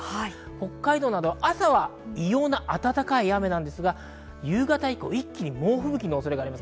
北海道などは朝は異様な暖かい雨ですが、夕方以降、一気に猛吹雪の恐れがあります。